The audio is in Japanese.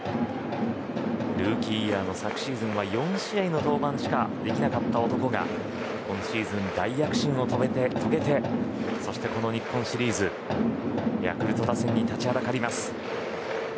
ルーキーイヤーの昨シーズンは４試合の登板しかできなかった男が今シーズン、大躍進を遂げてそして、この日本シリーズヤクルト打線に立ちはだかります。